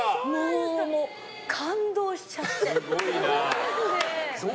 もう、感動しちゃって。